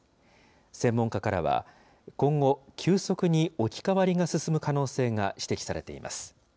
専門家からは、今後、急速に置き換わりが進む可能性が指摘されています。